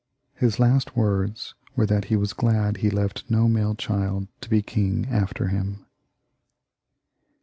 His last words were that he was glad he left no male child to be king after him.